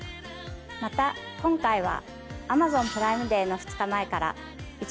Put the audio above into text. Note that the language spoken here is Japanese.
また今回は。